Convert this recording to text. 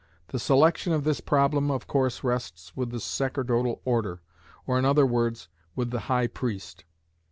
The selection of this problem of course rests with the sacerdotal order, or in other words, with the High Priest.